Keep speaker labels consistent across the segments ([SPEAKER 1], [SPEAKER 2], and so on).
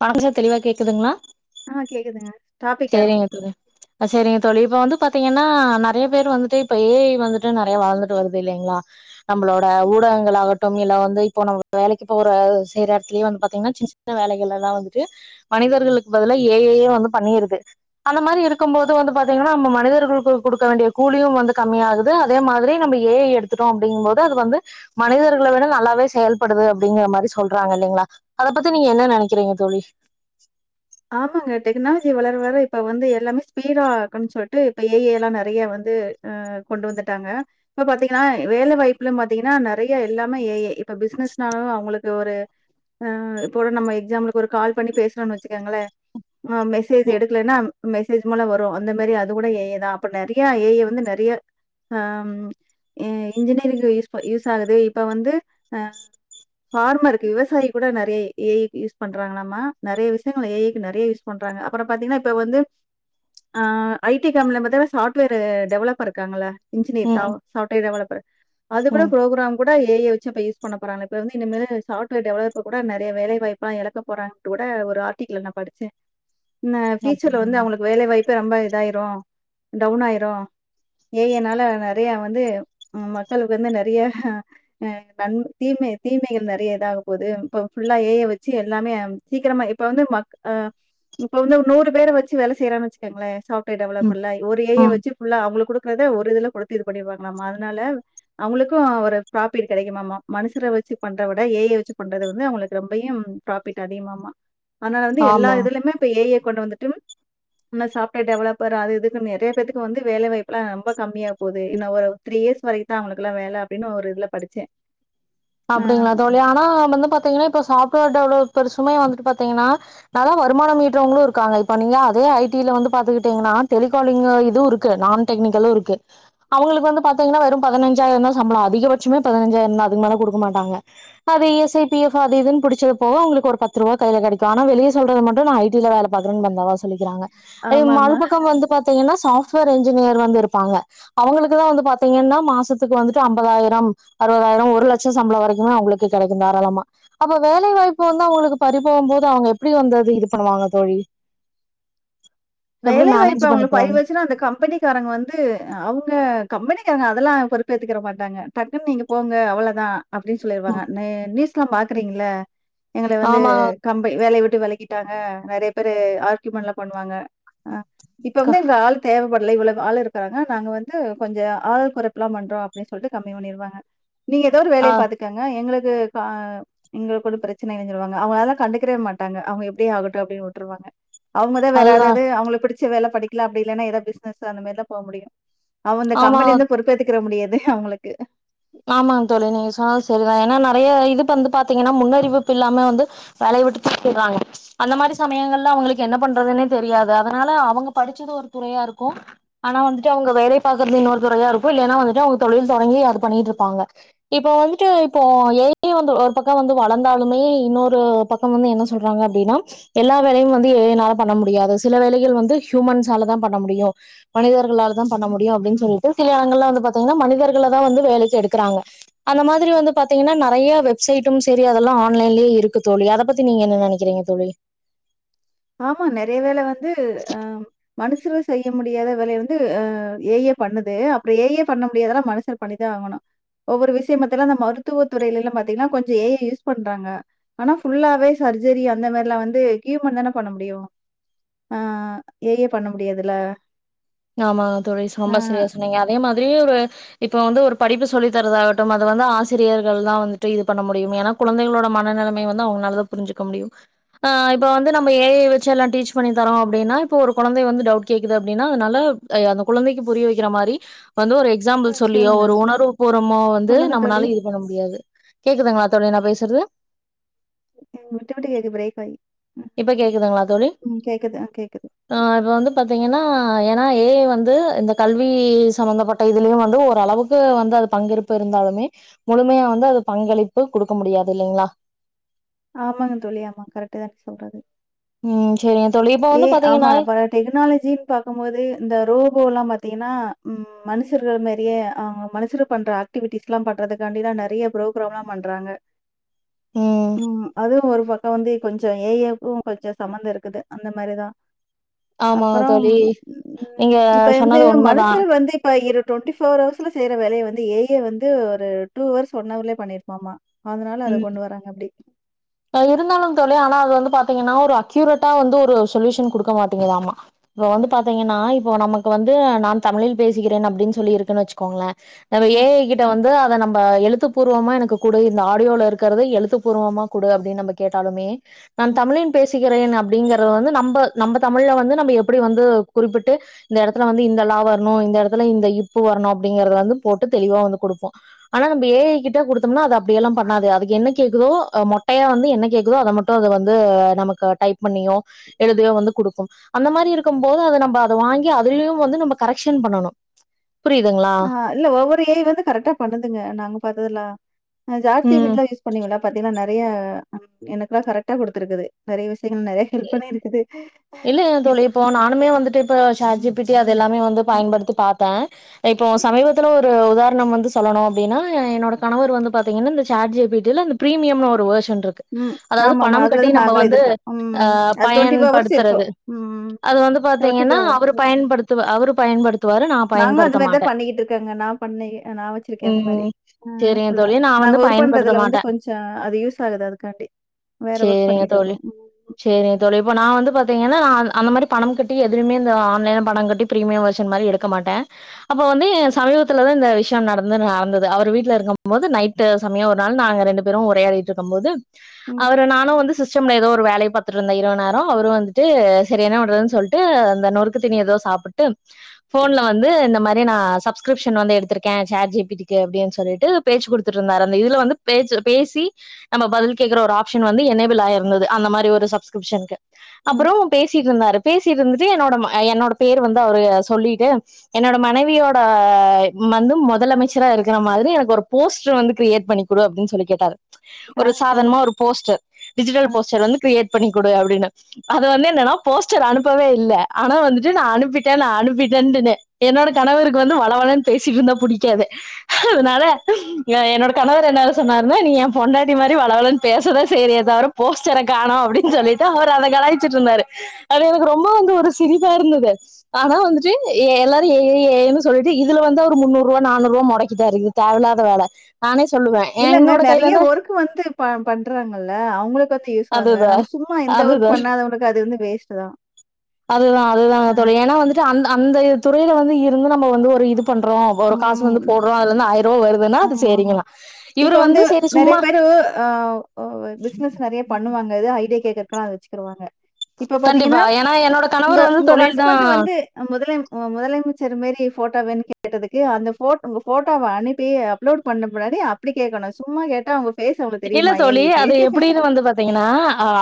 [SPEAKER 1] நா பேசறது தெளிவா கேக்குதுங்களா?
[SPEAKER 2] ஆ கேக்குதுங்க டாபிக் ஆரம்பிச்சு
[SPEAKER 1] சேரிங்க தோழி ஆ சேரிங்க தோழி இப்ப வந்து பாத்தீங்கன்னா நெறைய பேர் வந்துட்டு இப்ப ஏ ஐ வந்துட்டு நெறைய வளந்துட்டு வருது இல்லைங்களா நம்மளோட ஊடகங்களாக ட்டும் இல்ல வந்து இப்போ நம்ம வேலைக்கு போற செய்ற எடத்துலயு வந்து பாத்தீங்கனா சின்ன சின்ன வேலைகள் எல்லா வந்துட்டு மனிதர்களுக்கு பதிலா ஏ ஐ யே வந்து பண்ணிருக் கு அந்த மாரி இருக்கும் போது வந்து பாத்தீங்கன்னா நம்ம மனிதர்களுக்கு குடுக்க வேண்டிய கூலியு வந்து கம்மி ஆகுது. அதே மாதிரி நம்ம ஏ ஐ எடுத்துட்டோ அப்டிங்கும் போது அது வந்து மனிதர்கள விட நல்லாவே செயல்படுது அப்டிங்கிற மாரி சொல்றாங்க இல்லைங்களா அத பத்தி நீங்க என்ன நெனைக்கிறீங்க தோழி?
[SPEAKER 2] ஆமாங்க டெக்னாலஜி வளர வளர இப்ப வந்து எல்லாமே ஸ்பீடா ஆக்கனுன்னு சொல்ட்டு இப்ப ஏ ஐ எல்லா நெறைய வந்து ஆ கொண்டு வந்துட்டாங்க. இப்ப பாத்தீங்கன்னா வேல வாய்ப்பிலு பாத்தீங்கன்னா நெறைய எல்லாமே ஏ ஐ. இப்ப பிசினஸ்னாலு அவங்களுக்கு ஒரு ஆ இப்போ ஒரு நம்ம எக்ஸாம்பிளுக்கு நம்ம ஒரு கால் பண்ணி பேசுறோன்னு வச் சுக்கங்களே ஆ மெசேஜ்
[SPEAKER 1] ம்
[SPEAKER 2] எடுக்கலன்னா மெசேஜ் மூல வரு அந்த மாரி அது கூட ஏ ஐ தா. அப்ப நெறைய ஏ ஐ வந்து நெறைய அம் இ இன்ஜினியரிங் யூஸ் ப யூஸ் ஆகுது இப்ப வந்து ஆ ஃபார்மருக்கு விவசாயி கூட நெறைய ஏ ஐ யூஸ் பண்றாங்களாமா நெறைய வி ஷயங்கள் ஏ ஐ க்கு நெறைய யூஸ் பண்றாங்க. அப்புறோ பாத்தீங்கன்னா இப்ப வந்து ஆ ஐ டி கம்பெனில பாத்திங்கனா சாஃப்ட்வேரு டெவலப்பர் இருக்காங்கல்ல இன்ஜினியர் டா
[SPEAKER 1] ம்
[SPEAKER 2] சாஃப்ட்வேர் டெவலப்பரு அது கூட
[SPEAKER 1] ம்
[SPEAKER 2] புரோக்ராம் கூட ஏஐய வெச்சு அப்ப யூஸ் பண்ண போறாங்க இப்ப வந்து இனிமேலு சாஃவ்ட்டுவெர் டெவலப்ப கூட நெறைய வேலைவாய்ப்பா எழக்க போறாங்டு கூட ஒரு ஆர்க் டிக்ல நா படிச்ச ந பியூச்சர்ல வந்து
[SPEAKER 1] அப்படிங்களா
[SPEAKER 2] அவளுக்கு வேலைவாய்ப் திரும்ப இதாயிரு டவுன் ஆயிரு ஏஐயினால நறைய வந்து மக்களுக்கு வந்து நறைய அ தீமை தீமைகள் நறைய இதாக போகுது இப்ப ஃபுல்லா ஏஐய வெச்சு எல்லாமே சீக்கிரமா எப் இப்ப வந்து மக் அ இப்ப வந்து ஒரு நூறு பேர வெச்சு வேல செய்யறாங்கன் வெச்சுக்கங்களே சாப் டு
[SPEAKER 1] ம்
[SPEAKER 2] டெவலப்பில்ல ஒரு ஏஐய
[SPEAKER 1] ம்
[SPEAKER 2] வெச்சு ஃபுல்லா அவங்களுக் கூட றத ஒரு இதுல கொளப்பி இது பண்ணிருவாங்களாமா அதனால அவங்களுக்கு ஒரு ஃப்ராஃபிட் கெடைக்குமாமா மனுஷர வெச்சு பண்ற விட ஏஐய வெச்சு பண்றத வந்து அவங்களுக்கு ரொம்பையும் ஃப்ராஃபிட் அதிகமாமா அதனால வந்து எல்லா
[SPEAKER 1] ஆமா
[SPEAKER 2] இதுலியுமே இப்ப ஏஐய கொண்டு வந்துட்டு இன்ன சாஃப்ட்வேர் டெவலப்பர் அது இதுனு நறைய பேருத்துக்கு வந்து வேலை வாய்ப்புல்லா ரொம்ப கம்மியா போது இன்ன ஒரு த்ரீ இயர்ஸ் வரைக்குந்தா அவங்களுக்குல்லா வேல அப்டின்னு ஒரு இதுல படிச்ச
[SPEAKER 1] அப்டிங்களா தோழி ஆனா வந்து பாத்தீங்கன்னா இப்ப சாஃப்டுவெர் டவுலோர்த் ஒரு சுமய வந்துட்டு பாத்தீங்கன்னா நல்லா வருமானம் ஈட்ரவங்களு இருக்காங்க இப்ப நீயா அதே ஐடில வந்து பாத்துகிட்டீங்கன்னா டெலிகாலிங்கு இது இருக்கு நான் டெக்னிக்களு இருக்கு அவுங்ஙளுக்கு வந்து பாத்தீங்னா வெறு பதுநஞ்சாயிரோந்தா சம்பளொ அதிக பட்சமே பதுநஞ்சாயிரோந்தா அதுக்கு மேல குடுக் வ மாட்டாங்க அது எஸ் ஐ பி எ அது இதுன் புடிச்சப்போ உங்களுக்கு ஒரு பத்ரூவா கைல கெடைக்கு ஆனா வெளிய சொல்றது மட்டு நா ஐடில வேல பாக் பத்ரம் பந்தாவா சொல்லிக்கிறாங்க ஐய்யோ மல்
[SPEAKER 2] ஆமாமா.
[SPEAKER 1] பக்கோ வந்து பாத்தீங்கன்னா சாப் [unintelligible] இன்ஜினியர் வந்து இருப்பாங்க அவங்களுக்கு தா வந்து பாத்தீங்கன்னா மாசத்துக்கு வந்துட்டு ஐம்பதாயிரம் அறுபதாயிரோம் ஒரு லட் சோ சம்பளோ வரைக்கு அவுங்களுக்கு கெடைக்கு தாராளமா அப்ப வேலை வாய்ப்பு வந்து அவுங்களுக்கு பறிபோகும் போது அவுங்க எப்டி வந்து அது இது பண்ணுவாங்க தோழி எப்படி
[SPEAKER 2] வேலை வாய்ப்பு
[SPEAKER 1] மேனேஜ்
[SPEAKER 2] அவுங்கள
[SPEAKER 1] பண்ணிக்குவாங்க
[SPEAKER 2] பரிவாச்சுன்னா அந்த கம்பெனிக்காரங்க வந்து அவுங்க கம்பெனிக்காரங்க அதெல்லா பொறுப்பே ஏத்துக்கிற மாட்டாங்க டக்குன் நீங்க போங்க அவ்வளதா அப்டின் சொல்லிருவாங்க நீ நியூஸ்ல்லாம் பாக்குறீங்கள எங்களை வந்து
[SPEAKER 1] ஆமா
[SPEAKER 2] கம்பெனி வேலைய விட் டு வெலக்கிட்டாங்க நறைய பேரு ஆர்கியூமென்ல பண்ணுவாங்க ஆ இப்ப
[SPEAKER 1] அக்கா
[SPEAKER 2] வந்து இங்க ஆள் தேவப்படு லை இவ்வளோதா ஆள் இருக்குறாங்க நாங்க வந்து கொஞ்ச ஆல் குறைப்பு எல்லாம் பண்றோ அப்டின் சொல்ட்டு கம்மி பண்ணிருவாங்க நீங்க எதோ ஒரு வேலைய
[SPEAKER 1] ஆஹ்
[SPEAKER 2] பாத்துக்கோங்க எங்களுக் ங்கு கா எங்களுக்கு ஒரு பிரச்சனை இல்லைன் சொல்லுவாங்க அவுங்களால கண்டுக்கவே மாட்டாங்க அவுங்க எப்டியே ஆகட்டு அப்டின் விட்டுருவாங்க அவுங்கதா
[SPEAKER 1] அதுதான்
[SPEAKER 2] வேரால பிடிச்சு வேல பன்னிக்குலா அப்டி இல்லன்னா ஏதாவது பிஸ்னஸ் அந்த மாரிலா போக முடியு அவ இந்த
[SPEAKER 1] ஆமா
[SPEAKER 2] கம்பனி வந்து பொறுப்பேத்துக்கற முடியாது தே அவுங்களுக்கு
[SPEAKER 1] ஆமாங் தோழி நீங்க சொன்னது செரிதா ஏன்னா நறைய இது பந்து பாத்தீங்கன்னா முன்னறிவிப்பு இல்லாம வந்து வேலை விட்டு தூக்கிறாங்க அந்த மாரி சமயங்கள்ல அவுங்களுக்கு என்ன பண்றதுன்னே தெரியாது அதனால அவுங்க படுச்சது ஒரு துறையா இருக்கு ஆனா வந்துட்டு அவுங்க வேலை பாக்குறது இன்னொரு துறையா இருக்கு இல்லைன்னா வந்துட்டு அவுங்க தொழில் தொடங்கி அது பண்ணிட்டு இருப்பாங்க இப்ப வந்துட்டு இப்போ ஏஐ வந்து ஒரு பக்கோ வந்து வளந்தாலுமே இன்னொரு பக்கம் வந்து என்ன சொல்றாங்க அப்டினா எல்லா வேலையும் வந்து ஏஐனால பண்ண முடியாது சில வேலைகள் வந்து ஹியூமன்ஸ் நாளதா பண்ண முடியு மனிதர்களாலதா பண்ண முடியு அப்டின் சொல்லிட்டு சில எடங்கள்ளா வந்து பார்த்தீங்கன்னா மனிதர்களதா வந்து வேலைக்கு எடுக்குறாங்க அந்த மாதிரி வந்து பாத்தீங்கன்னா நறைய வெப்சைட்டும் செரி அதெல்லா ஆன்லைன்லயே இருக்கு தோழி அத பத்தி நீங்க என்ன நெனைக்கிறீங்க தோழி
[SPEAKER 2] ஆமா நெறைய வேல வந்து ஆம் மனுஷர்கள் செய்ய முடியாத வேலைய வந்த ஏஐயே பண்ணுது அப்புறோ ஏஐயே பண்ண முடியாதெல்லா மனுஷர் பண்ணித்தா ஆகணு ஒவ்வொரு விஷயமத்தல அந்த மருத்துவத்துறைகல்லா பாத்தீங்கன்னா கொஞ்சோ ஏஐ யூஸ் பண்றாங்க ஆனா ஃபுல்லாவே சர்ஜரி அந்த மாரிலா வந்து ஹியூமன்தான பண்ண முடியு ஆ ஏஐயே பண்ண முடியாதுல
[SPEAKER 1] ஆமாங்க தோழி ரொம்ப சிரியா சொன்னீங்க அதே மாதிரி ஒரு இப்போ வந்து ஒரு படிப்பு சொல்லி தரதாகட்டும் அது வந்து ஆசிரியர்கள் தா வந்துட்டு இது பண்ண முடியும் ஏனா கொழந்தைகளோட மன நிலைமை வந்து அவுங்கனால் தா புரிஞ்சுக்க முடியு ஆ இப்போ வந்து நம்ம ஏஐ வெச்சு எல்லா டீச் பண்ணி தரோ அப்படின்னா இப்போ ஒரு கொழந்தை வந்து டவுட் கேக்குது அப்படின்னா நல்லாப் அ அந்த குழந்தைக்கு புரிய வைக்கிற மாரி வந்து ஒரு எக்ஸாம்பிள் சொல்லியோ
[SPEAKER 2] சொல்லுங்க.
[SPEAKER 1] ஒரு உணர்வுபூறமோ வந்து
[SPEAKER 2] சொல்லுங்க தோழி.
[SPEAKER 1] நம்மனால் இது பண்ண முடியாது கேக்குதுங்களா தோழி நா பேசுறது
[SPEAKER 2] ம் விட்டு விட்டு கேக்குது பிரேக் ஆயி ம்.
[SPEAKER 1] இப்ப கேக்குதுங்களா தோழி
[SPEAKER 2] ம் கேக்குது. ஆ கேக்குது.
[SPEAKER 1] ஆ அது வந்து பாத்தீங்கன்னா ஆ ஏன்னா ஏஐ வந்து இந்த கல்வி சம்பந்தப்பட்ட இதுலியு வந்து ஓரளவுக்கு வந்து அது பங்கேற்பு இருந்தாலுமே முழுமையா வந்து அது பங்களிப்பு கொடுக்க முடியாது இல்லைங்களா
[SPEAKER 2] ஆமாங் தோழி ஆமாங் கரெக்ட்டு தா நீங் சொல்றது
[SPEAKER 1] உம்
[SPEAKER 2] ஏ ஆமா இப்ப டெக்னாலஜீன் பாக்கும் போது இந்த ரோபோ எல்லா பாத் தீனா உம் மனுஷர்கள் மாரியே ஆ அவுங்க மனுஷர பண்ற ஆக்டிவிட்டிஸ் எல்லா பண்றதுக்காண்டிதா நெறியா ப்ரோக்ராம்லா பண்றாங்க
[SPEAKER 1] ம்
[SPEAKER 2] உம் அதே ஒரு பக்க வந்தே கொஞ்ச ஏஐக்கு கொஞ்ச சம்பந்த இருக்குது அந்த மாரியதா
[SPEAKER 1] ஆமா
[SPEAKER 2] அப்புறோம்
[SPEAKER 1] தோழி.
[SPEAKER 2] உம்
[SPEAKER 1] நீங்க
[SPEAKER 2] இப்ப
[SPEAKER 1] சொன்னது
[SPEAKER 2] எந்தேயம்
[SPEAKER 1] உண்மதான்.
[SPEAKER 2] மனுஷரு வந்து இப்ப இரு டொண்ட்டி ஃபோர் ஹவர்ஸ்ல செய்யற வேலைய வந்து ஏய வந்து ஒரு டூ ஹவர்ஸ் ஒன் ஹவர்லயே பண்ணியிருப்பாமா
[SPEAKER 1] உம் அது இருந்தாலு தோழி ஆனா அது வந்து பாத் த்தீங்கன்னா ஒரு அக்யூரேட்டா வந்து ஒரு சொல்யூஷன் குடுக்க மாட்டேங்குதாமா இவ வந்து
[SPEAKER 2] ம்.
[SPEAKER 1] பாத்தீங்கன்னா இப்போ நமக்கு வந்து நான் தமிழில் பேசுகிறேன் அப்படின் சொல்லிருக்குன் வெச்சுக்கோங்களே அத
[SPEAKER 2] ஆ.
[SPEAKER 1] ஏஐ கிட்ட வந்து அ நம்ப எழுத்துப்பூர்வமா எனக்கு குடு இந்த ஆடியோல இருக்கிறத எழுத்துப்பூர்வமா குடு அப்படின் நம்ம கேட்டாலுமே நான் தமிழன் பேசுிக்கிறேன் அப்டிங்கிற அப்புறோ வந்து நம்ப நம்ப தமிழ வந்து நம்ப எப்பிடி வந்து குறிப்பிட்டு இந்த இடத்துல வந்து இந்த ல வருனு இந்த இடத்துல இந்த ப் வர்னு அப்டிங்கிற போட்டு தெளிவா குடுப்போ ஆனா நம்ப ஏஐ கிட்ட குடுத்தம்ன்னா அது அப் அப்டியெல்லாம் பண்ணாது அதுக்கு என்ன கேக்குதோ ஆ மொட்டையா வந்து என்ன கேக்குதோ அத மட்டு அத வந்து நமக்கு டைப் பண்ணியோ எழுதையோ வந்து குடுக்கும் அந்த மாதிரி இருக்கும் போது அத நம்ப அத வாங்கி அதுலயு வந்து நம்ம கரெக்ஷன் பண்ணணு புரியுதுங்களா
[SPEAKER 2] ஆ இல்ல ஒவ்வொரு ஏஐ வந்து கரெக்டா பண்ணுதுங்க நாங்க பாத்ததுல்லா நா
[SPEAKER 1] ம்
[SPEAKER 2] ஜாஸ்தீவிடிலா யூஸ் பண்ணீங்கள [unintelligible] நெறைய எனக்கெல்லா கரெக்ட்டா குடுத்துருக்குது நெறியா விஷயங்கள் நெறியா ஹெல்ப் பண்ணிருக்குது
[SPEAKER 1] இல்லேங் தோழி இப்போ நானுமே வந்துட்டு இப்ப இப்ப சார்ஜ்பீட்டியா எல்லாமே வந்து பயன்படுத்தி பாத்தே இப்ப சமீபத்துல ஒரு உதாரணம் வந்து சொல்லணு அப்டின்னா என்னோட கணவர் வந்து பாத்தீங்கன்னா இந்த ஜார்ஜ் ஜேப்பிட்டில இது ப்ரீமியம் ஒரு வோஷன் ருக்கு
[SPEAKER 2] ம்.
[SPEAKER 1] அதாவது
[SPEAKER 2] ஆமாமா.
[SPEAKER 1] பணம் கட்டி
[SPEAKER 2] அதுலருந்து
[SPEAKER 1] நம்ப
[SPEAKER 2] நாங்களும்
[SPEAKER 1] வந்து
[SPEAKER 2] எதிர்க்க ம்.
[SPEAKER 1] ஆ
[SPEAKER 2] அது ஹவர்ஸ்
[SPEAKER 1] பயன்படுத்
[SPEAKER 2] ம் போர்டீபோர்
[SPEAKER 1] அவரு பயன்படுத்து அவரு பயன்படுத்துவாரு நா
[SPEAKER 2] அவர்ஸுநாங்க
[SPEAKER 1] பயன்படுத்த
[SPEAKER 2] அதுல
[SPEAKER 1] மாட்டே
[SPEAKER 2] தான் பன்னிட்டு இருக்கோம் நா பன்னி நா வச்சிருக்கேன்
[SPEAKER 1] ம். சரிங்க
[SPEAKER 2] புல்லா
[SPEAKER 1] தோழி. நான்
[SPEAKER 2] நா
[SPEAKER 1] வந்து
[SPEAKER 2] ஒர்க் ஒர்க்
[SPEAKER 1] பயன்படுத்த
[SPEAKER 2] பற்றுதல் வந்து
[SPEAKER 1] மாட்டேன்.
[SPEAKER 2] அதுக்காண்டி. வேற ஒர்க்
[SPEAKER 1] சரிங்க
[SPEAKER 2] பண்ணிட்டு
[SPEAKER 1] தோழி
[SPEAKER 2] இருக்கோம். ம்.
[SPEAKER 1] சரிங்க தோழி இப்போ நான் வந்து பான் அந்த மாதிரி பணம் கட்டி எதுமே ஆன்லைன் பணம் கட்டி பிரீமியம்வெர்ஷன் மாதிரி எடுக்க மாட்டேன் அப்ப வந்து சமீபத்துலதான் இந்த விஷயம் நடந்து நடந்தது அவர் வீட்டுல இருக்கும் போது நைட் சமயம் ஒரு நாள் நாங்க ரெண்டு பேரும் உரையாடிட்டு இருக்கும் போது
[SPEAKER 2] ம்.
[SPEAKER 1] அவரு நானும் வந்து சிஸ்டம்ல ஏதோ ஒரு வேலை பாத்துட்டுந்தா இவளோனோரம் அவரும் வந்து சரி என்ன பண்றதுன்னு சொல்லிட்டு அந்த நொறுக்கு தணி ஏதோ சாப்பிட்டு போன்ல வந்து இந்த மாதிரி நான் சஸ்கிரிப்ஷன் வந்து எடுத்திருக்கேன் சேர் ஜேபிக்கு அப்படனு சொல்லிட்டு பேச்சு குடுத்துட்டு இருந்த அந்த இதுல வந்து பேசி நம்ம பதில் கேக்குற ஒரு ஆப்ஷன் வந்து எனேபிள் ஆயிருந்தது அந்த மாதிரி ஒரு சப்கீரிசன்
[SPEAKER 2] ம்.
[SPEAKER 1] அப்புறம் பேசிட்டு இருந்தாரு பேசிட்டு இருந்துட்டு என்னோட என்னோட பேர் வந்து அவரு சொல்லிட்டு என்னோட மனைவியோட வந்து முதலமைச்சராாக இருக்கிற மாதிரி எனக்கு ஒரு போஸ்டர் வந்து கிரியேட் பண்ணி அப்படின்னு சொல்லி கேட்டரு
[SPEAKER 2] ஆ
[SPEAKER 1] ஒரு
[SPEAKER 2] சரி.
[SPEAKER 1] சாதனமா ஒரு போஸ்டர் டிஜிட்டல்
[SPEAKER 2] ஆ.
[SPEAKER 1] போஸ்டர் வந்து கிரியேட் பண்ணி கொடு அப்படின்னு [inaudible] அது வந்து என்னன்னா போஸ்டர் அனுப்பவே இல்லை ஆனா வந்துட்டு நான் அனுப்பிட்டேன் நான் அனுப்பிட்டேன்ன்னு என்னோட கணவருக்கு வந்து வளவலன் பேசிட்டுந்தான் பிடிக்காது அதனால என்னோட கணவர் என்ன சொன்னாருன்னா நீ என் பொண்டாட்டி மாதிரி வளவலன் பேசதான் சரிய தவிர போஸ்டரை காணோம் அப்படின்னு சொல்லிட்டு அவர் அதை கலி இருந்தாரு அது எனக்கு ரொம்ப வந்து ஒரு சிரிதா இருந்தது ஆனா வந்துட்டு எல்லாரும் சொல்லிட்டு இதுல வந்து அவ முன்னூறு ரூபா நானூறு ரூவா முடக்கிதான் இருக்குது தேவையில்லாத வேலை நானே சொல்லுவே
[SPEAKER 2] இல்லங்க
[SPEAKER 1] என்னோட கையில
[SPEAKER 2] நிறைய
[SPEAKER 1] இருந்து
[SPEAKER 2] ஒர்க் வந்து பண்றாங்கல்ல அவங்களுக்கு யூாங்க
[SPEAKER 1] அதுதா
[SPEAKER 2] நம்ம சும்மா எந்த
[SPEAKER 1] அதுதா
[SPEAKER 2] ஒர்க் பண்ணாதவளுக்கு அது வந்து வேஸ்ட் தான்ஹ்
[SPEAKER 1] அதுதா அதுதாங்க தோழி ஏன்னா வந்துட்டு அந்த அந்த துறையில வந்து இருந்து நம்ம வந்து ஒரு இது பண்றோம் ஒரு காசு வந்து
[SPEAKER 2] ம்.
[SPEAKER 1] போடுறோம் அதுல இருந்து ஆயிரம் ரூபா வருதுன்னா
[SPEAKER 2] ஆ
[SPEAKER 1] அது
[SPEAKER 2] ஆமா.
[SPEAKER 1] சரிங்களா
[SPEAKER 2] இப்ப
[SPEAKER 1] இரு வந்து சரி
[SPEAKER 2] நெறைய
[SPEAKER 1] சும்மா
[SPEAKER 2] பேரு அ ஒ பிசினஸ் நெறைய பண்ணுவாங்க இ ஐடியா கேக்க அதை வச்சுருாங்க இப்ப பாத்தீங்கன்னா
[SPEAKER 1] கண்டிப்பா ஏன்னா என்னோட
[SPEAKER 2] உங்க
[SPEAKER 1] கணவர் வந்து
[SPEAKER 2] உங்க
[SPEAKER 1] தொழில் தா
[SPEAKER 2] ஹஸ்பண்ட் வந்து முதல உ முதலமைச்சர் மாரி போட்டா கேட்டதுக்கு அந்த உங்க போடடோை அனுப்பி அப்லோட் பண்ண ப முன்னாடி அப்படி கேட்கணும் சும்மா கேட்டா அவங்க ஃபேஸ் அவ்வளவு
[SPEAKER 1] இல்ல
[SPEAKER 2] தெரியுமா
[SPEAKER 1] தோழி
[SPEAKER 2] ஏஐக்கு?
[SPEAKER 1] அது எப்படின்னு வந்து பாத்தீங்கன்னா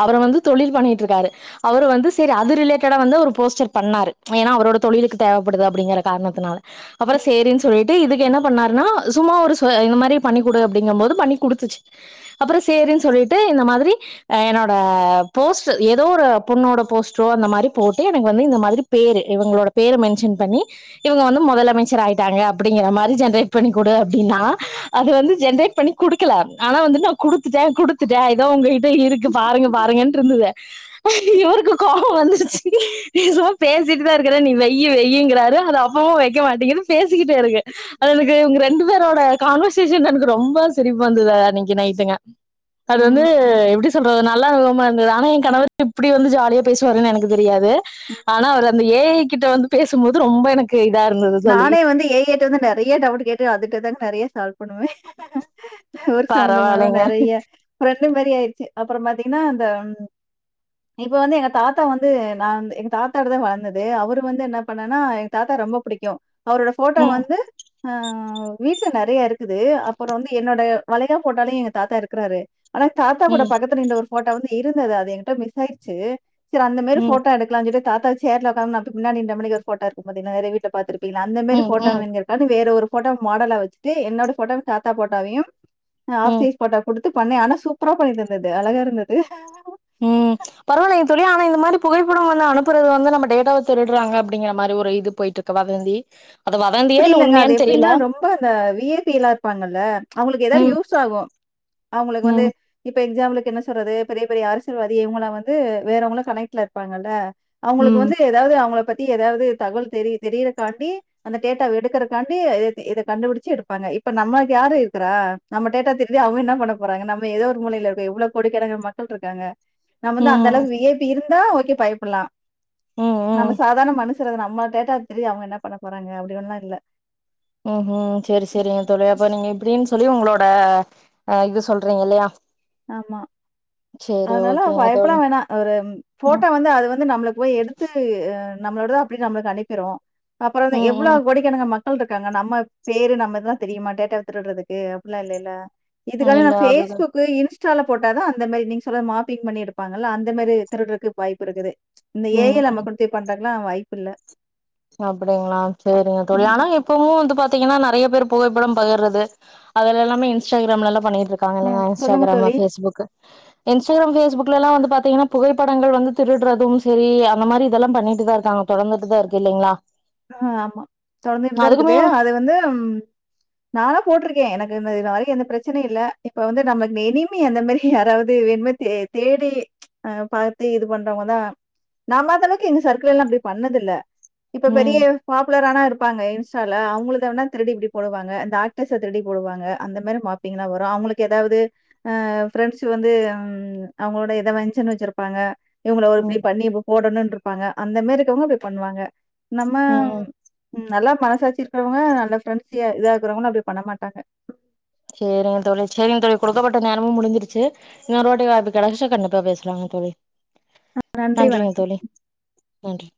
[SPEAKER 1] அவரை வந்து தொழில் பண்ணிட்டு இருக்க அவர் வந்து சரி அது ரிலேட்டா வந்து போஸ்டர் பண்ணார் ஏா அவரோட தொழிலுக்கு தேவைப்படுது அப்படிங்கிற காரணத்தினால அப்புறம் சேரின்னு சொல்லிட்டு இதுக்கு என்ன பண்ணாருன்னா சும்மா ஒரு இந்த மாதிரி பண்ணி கொடு அப்படிங்கும் போது பண்ணி கொடுத்துச்சு அப்புறம் சரின்னு சொல்லிட்டு இந்த மாதிரி என்னோட போஸ்டர் ஏதோ ஒரு பொண்ணோட போஸ்டரோ அந்த மாதிரி போட்டு எனக்கு வந்து இந்த மாதிரி பேரு இவங்களோட பேரு மென்ஷன் பண்ணி இவங்க வந்து முதலமைச்சர் ஆயிட்டாங்க அப்படிங்கிற மாதிரி ஜென்ரேட் பண்ணி கொடு அப்படின்னா அது வந்து ஜென்ரேட் பண்ணி குடுக்கல ஆனா வந்துட்டு நான் குடுத்துட்டேன் குடுத்துட்டேன் இததான் உங்ககிட்ட இருக்கு பாருங்க பாருங்கன்ன இருந்தது இவருக்கு கோபம் வந்துச்சு ரமா பேசிட்டு தான் இருக்கிறேன் நீ வெய வெயங்கிறாரு அது அப்பமா வைக்க மாட்டீங்கன்னு பேசிக்கிட்டே இருக்க அது எனக்கு உங்க ரெண்டு பேரோட கான்வர்சேஷன் எனக்கு ரொம்ப சிரிப்பா வந்தது இன்னைக்கு நைட்டுங்க அது வந்து
[SPEAKER 2] ம்.
[SPEAKER 1] எப்படி சொல்றதுனா ஆனா என் கணவர் இப்படி வந்து ஜாலியா பேசுவாரு எனக்கு தெரியாது ஆனா அவர் அந்த ஏ கிட்ட வந்து பேசும்போது ரொம்ப எனக்கு இதா இருந்தது தோழி
[SPEAKER 2] நானே வந்து ஏ ஏட்டு வந்து நிறைய டவுட் கேட்டுன் அதுதான்ங்க நிறைய சால்வ் பண்ணுவே ஊர் சம்பந்தமான
[SPEAKER 1] பரவாயில்லைங்க
[SPEAKER 2] நிறைய ஒருண்டு மாதிரி ஆயிடுச்சு அப்புறோ பார்த்தீங்கன்னா இந்த இப்ப வந்து எங்க தாத்தா வந்து நா எங்க தாத்தாடு தா வளர்ந்தது அவரு வந்து என்ன பண்ணன்னா எங்க தாத்தா ரொம்ப பிடிக் கு அவரோட ஃபோட்டோ
[SPEAKER 1] ம்
[SPEAKER 2] வந்து ஆ வீட்ல நெறைய இருக்கு இருக்குது அப்புறோ வந்து என்னோடய மளைகா போட்டாலு எங்க தாத்தா இருக்கிறாரு ஆனா தாத்தா கூட
[SPEAKER 1] ம்
[SPEAKER 2] பக்கத்துல இந்த ஒரு ஃபோட்டா வந்து இருந்தது அது என்கிட்ட மிஷ்ஆயிடுச்சு துல அந்த மாரி
[SPEAKER 1] ம்
[SPEAKER 2] ஃபோட்டோ எடுக்காலாம்ஞ்சொட் தாத்தாக்கு சேர்ல உக்காந்து நா முன்னாடி நிண்டமாரி ஒரு ஃபோட்டோ இருக்கு பாத்திங்னா அது விட் பாத்துருப் இல அந்த மாரி
[SPEAKER 1] ம்
[SPEAKER 2] போட்டா
[SPEAKER 1] ம்
[SPEAKER 2] வேங்கற்கானி வேற ஒரு ஃபோட்டோ மாடலா வச்சுட்டு என்னோட ஃபோட்டோ தாத்தா போட்டாவையும் ஆ
[SPEAKER 1] ம்
[SPEAKER 2] ஆஃப்சைஸ் ஃபோட்டா குடுத்து பண்ணே ஆனா சூப்பரா பண்ணிட்டு இருந்தது அழகா இருந்தது
[SPEAKER 1] ம் பரவாயில்லைங்க தோழி ஆனா இந்த மாரி புகைப்படம் வந்து அனுப்புறது வந்து நம்ம டேட்டாவ திருடுறாங்க அப்டிங்கிற மாரி ஒரு இது போயிட்டு இருக்கு வதந்தி அது வதந்தியா
[SPEAKER 2] அப்டி
[SPEAKER 1] இல்ல
[SPEAKER 2] இல்லைங்க அது
[SPEAKER 1] உண்மையான்னு தெரியல
[SPEAKER 2] எப்டின்னா ரொம்ப அந்த வி ஐ பி லா இருப்பாங்கல்ல அவங்களுக்கு ஏதாவது
[SPEAKER 1] ம்
[SPEAKER 2] யூஸ் ஆகும் அவங்களுக்கு வந்து
[SPEAKER 1] ம்
[SPEAKER 2] இப்ப எக்ஸாம்பிள் என்ன சொல்றது பெரிய பெரிய அரசியல்வாதி இவங்கள வந்து வேறவங்களு கனெக்ட்ல இருப்பாங்கல்ல அவங்களுக்கு
[SPEAKER 1] ம்
[SPEAKER 2] வந்து ஏதாவது அவங்கள பத் தி ஏதாவது தகவல் தெரிய தெரியிறக்காண்டி அந்த டேட்டாவ எடுக்கிறதுக்காண்டி இத கண்டுபிடிச்சு எடுப்பாங்க இப்ப நம்மளுக்கு யார் இருக்கிறா நம்ம டேட்டா திருடி அவங்க என்ன பண்ண போறாங்க நம்ம ஏதோ ஒரு மூளையில இருக்கோ எவ்ளோ கோடிக்கணங்க மக்கள் இருக்காங்க நம்ம வந்து அந்த
[SPEAKER 1] ம்
[SPEAKER 2] அளவுக்கு வி ஐ பி இருந்தா ஓகே பயப் ப்பலா
[SPEAKER 1] ம்
[SPEAKER 2] நம்ம
[SPEAKER 1] ம்
[SPEAKER 2] சாதாரண மனுஷ க்குரது நம்ம டேட்டாவ திருடி அவங்க என்ன பண்ண போறாங்க அப்டிஒன்லா இல்ல
[SPEAKER 1] ம் ஹும் சரி சரி தோழி அப் நீங்க இப்டின் சொல்லி உங்களோட அ இது சொல்றீங்க இல்லையா
[SPEAKER 2] ஆமா
[SPEAKER 1] சரி
[SPEAKER 2] அதனால
[SPEAKER 1] ஓகேங்க
[SPEAKER 2] பயப்பட
[SPEAKER 1] தோழி
[SPEAKER 2] வேணா ஒரு
[SPEAKER 1] ம்
[SPEAKER 2] ஃபோட்டா வந்து அது வந்து நம்மள போய் எடுத்து நம்மளோடது தா அப்டின்னு நம்மளுக் அனுப்பிருவோ அப்புறோ
[SPEAKER 1] ம் ம்
[SPEAKER 2] எவ்வளவு கொடிக்கணுக் மக்க எவ்ளோ பேர் இருக்காங்க நம்ம பேரு நம்பர் எல்லா தெரியுமா டேட்டாவ திருடுறதுக்கு அப்டிலா இல்லல்ல
[SPEAKER 1] ம்
[SPEAKER 2] இதுக்கான நா
[SPEAKER 1] இல்ல அதுதா
[SPEAKER 2] ஃபேஸ்புக் இன்ஸ் இன்ஸ்டால போட்டாதா அந்த மாரி நீங்க சொல்லற மாப்பிங்பண்ணிடுப்பாங்கல்ல அந்த மாரி திருடுறக்கு வாய்பு இருக்குது இந்த ஏ ஐ நம்ம குடுத்து பண்றங் க்கல்லா வாய்ப்பில்ல
[SPEAKER 1] அப்பிடிங்களா சேரிங்க தோழி
[SPEAKER 2] ம்.
[SPEAKER 1] ஆனா இப்பவு வந்து பா த்தீங்கன்னா நெறைய பேர் புகைப்படம் பகிர்றது அதுல எல்லாமே இன்ஸ்டாகிராம்ல எல்லா பண்ணிக்கிட் ருக்காங்க இல்லயா
[SPEAKER 2] ம். சொல்லுங்க
[SPEAKER 1] இன்ஸ்டாகிராமு
[SPEAKER 2] தோழி.
[SPEAKER 1] ஃபேஸ்புக்கு இன்ஸ்டாகிராம் ஃபேஸ்புக்லல்லா வந்து பாத்தீங்கன்னா புகைப்படங்கள் வந்து திருடுறதும் சரி அந்த மாரி இதெல்லா பண்ணிட்டுதா இருக்காங்க தொடர்ந்துட்டுதா இரு க்கு இல்லைங்களா?
[SPEAKER 2] ஆ ஆமா தொடர்ந்துட்டுதா
[SPEAKER 1] அதுக்குமே
[SPEAKER 2] இருக்குது அது வந்து ம் நால்லா போட்ருக்கே எனக்கு இது இதாலயு எந்த பிரச்சனையு இல்ல இப்ப வந்து நமக்கு இந்த எனிமி அந்த மாரி யாராவது வேணுமே தே தேடி அ பாத்து இது பண்றவங்கதா நம்ம அந்த அளவுக்கு எங்க சர்க்கிள் எல்லா அப்டி பண்ணது இல்ல இப்ப பெரிய
[SPEAKER 1] ம்
[SPEAKER 2] பாப்புலரான இரு ப்பாங்க இன்ஸ்டால அவங்களத வேண்ணா திருடி இப்டி போடுவாங்க இந்த ஆக்டர்ஸ திருடி போடுவாங்க அந்த மாரி மாஃபிங்லா வரு அவங்களுக்கு ஏதாவது ஆ ஃபிரெண்ட்ஸ் வந்து ம் அவங்களோட எதோ வெஞ்சன் வச்சிருப்பாங்க இவங்கள ஒ இப்டி
[SPEAKER 1] ம்
[SPEAKER 2] பண்ணி இப்டி போடணுன் ருப்பாங்க அந்த மாரி இருக்கவங்க அப்டி பண்ணுவாங்க. நம்ம
[SPEAKER 1] ம்
[SPEAKER 2] ம் நல்லா மனசாட்சி இருக்கிறவங்க நல்ல ஃப்ரெண்ட்ஸியா இதா இருக்குறவங்க அப்டி பண்ண மாட்டாங்க
[SPEAKER 1] சேரிங்க தோழி சேரிங்க தோழி குடுக்கப்பட்ட நேரமு முடிஞ்சிருச்சு இன்னொருவாட்டி வாய்ப்பு கெடைச்சா கண்டிப்பா பேசலாங் தோழி
[SPEAKER 2] நன்றி,
[SPEAKER 1] நன்றிங்க
[SPEAKER 2] வணக்கம்.
[SPEAKER 1] தோழி. நன்றி.